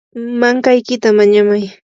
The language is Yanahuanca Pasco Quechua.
mankaykita mañamay.